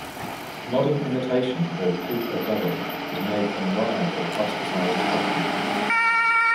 Modern imitation or "paper vellum" is made from rag or plasticized cotton.